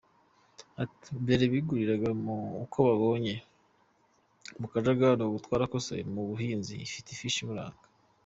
Ati« mbere biguriraga uko babonye mu kajagari, ubu twarakosoye buri muhinzi afite ifishi imuranga.